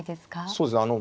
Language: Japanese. そうですね。